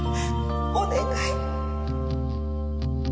お願い！